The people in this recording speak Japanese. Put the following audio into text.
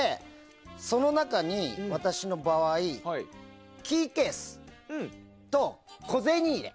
その中に私の場合キーケースと小銭入れ。